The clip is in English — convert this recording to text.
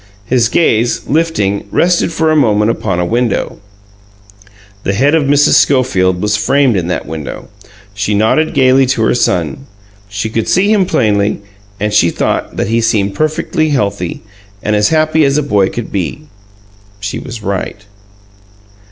His gaze, lifting, rested for a moment upon a window. The head of Mrs. Schofield was framed in that window. She nodded gayly to her son. She could see him plainly, and she thought that he seemed perfectly healthy, and as happy as a boy could be. She was right.